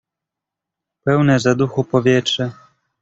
"Pełne zaduchu powietrze."